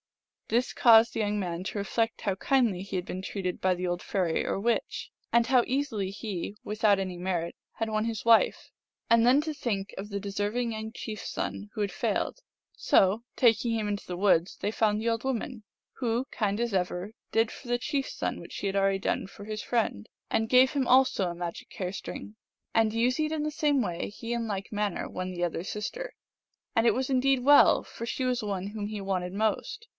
This caused the young man to reflect how kindly he had been treated by the old fairy or witch, and how easily he, without any merit, had won his wife, and then to think of the deserving young chief s son who had failed. So, taking him into the woods, they found the old woman, who, kind as ever, did for the chief s son what she had already done for his friend, and gave him also a magic hair string. And using it in the same way he in like manner won the other sis ter ; and it was indeed well, for she was the one whom he wanted most.